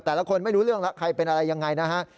แต่ละคนไม่รู้เรื่องแล้วใครเป็นอะไรยังไงนะฮะ